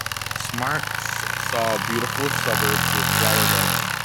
Smart saw beautiful suburbs with flower gardens.